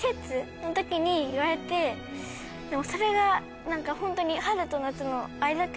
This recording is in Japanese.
でもそれがホントに。